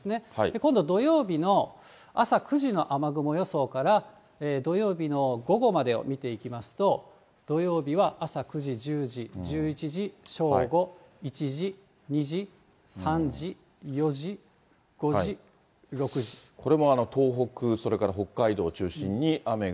今度、土曜日の朝９時の雨雲予想から、土曜日の午後までを見ていきますと、土曜日は朝９時、１０時、１１時、正午、１時、２時、３時、４時、これも東北、それから北海道